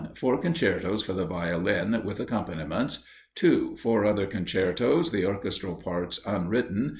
Four Concertos for the Violin, with accompaniments. 2. Four other concertos, the orchestral parts unwritten.